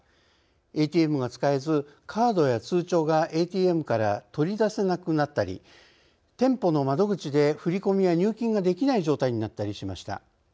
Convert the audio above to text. ＡＴＭが使えずカードや通帳がＡＴＭから取り出せなくなったり店舗の窓口で振り込みや入金ができない状態になったりしました。